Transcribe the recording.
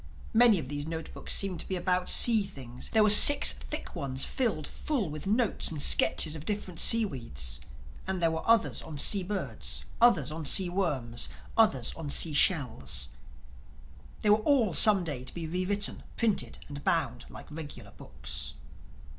Many of these note books seemed to be about sea things. There were six thick ones filled full with notes and sketches of different seaweeds; and there were others on sea birds; others on sea worms; others on seashells. They were all some day to be re written, printed and bound like regular books.